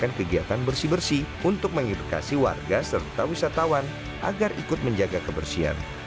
dan juga menjalankan kegiatan bersih bersih untuk mengindukasi warga serta wisatawan agar ikut menjaga kebersihan